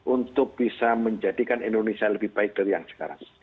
untuk bisa menjadikan indonesia lebih baik dari yang sekarang